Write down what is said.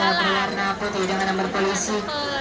pada tempat yang berlaku ini